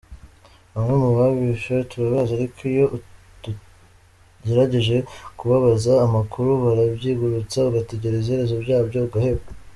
Bamwe mu babishe turabazi ariko iyo tugerageje kubabaza amakuru barabyigurutsa ugategereza iherezo ryabyo ugaheba.